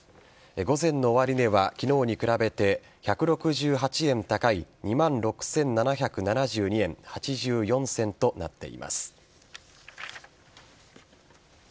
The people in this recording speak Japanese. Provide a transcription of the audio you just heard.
午前の終値は昨日に比べて１６８円高い２万６７７２円８４銭となっています。